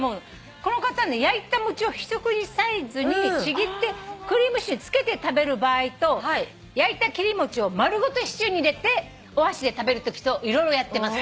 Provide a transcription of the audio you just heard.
この方ね焼いた餅を１口サイズにちぎってクリームシチューにつけて食べる場合と焼いた切り餅を丸ごとシチューに入れてお箸で食べるときと色々やってます。